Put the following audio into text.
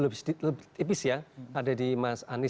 lebih tipis ya ada di mas anies